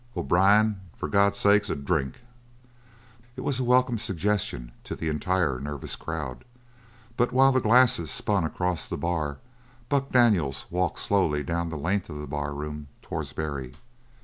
"O'Brien, for God's sake, a drink!" It was a welcome suggestion to the entire nervous crowd, but while the glasses spun across the bar Buck Daniels walked slowly down the length of the barroom towards Barry.